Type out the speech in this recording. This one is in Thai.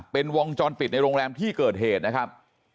เป็นวงจรปิดในโรงแรมที่เกิดเหตุนะครับ